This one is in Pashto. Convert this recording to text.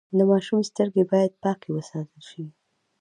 د ماشوم سترګې باید پاکې وساتل شي۔